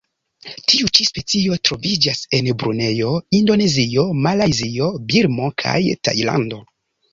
Tiu ĉi specio troviĝas en Brunejo, Indonezio, Malajzio, Birmo kaj Tajlando.